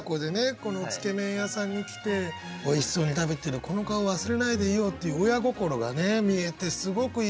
このつけ麺屋さんに来ておいしそうに食べてるこの顔忘れないでいようっていう親心が見えてすごくいい。